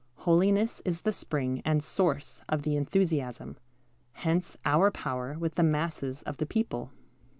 Holiness is the spring and source of the enthusiasm. Hence our power with the masses of the people.